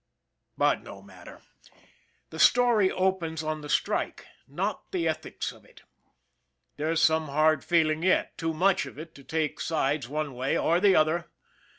But no matter The story opens on the strike not the ethics of it. There's some hard feeling yet too much of it to take sides one way or the other.